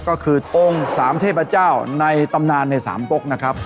ก็คือองค์สามเทพเจ้าในตำนานในสามกกนะครับ